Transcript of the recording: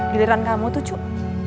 giliran kamu tuh cuk